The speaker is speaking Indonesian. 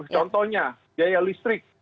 contohnya biaya listrik